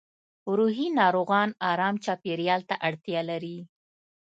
روحي ناروغان ارام چاپېریال ته اړتیا لري